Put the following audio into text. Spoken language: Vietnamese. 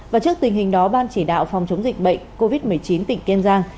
và trước tình hình đó ban chỉ đạo phòng chống dịch bệnh covid một mươi chín tỉnh kiên giang